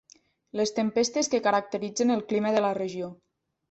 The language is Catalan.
Les tempestes que caracteritzen el clima de la regió.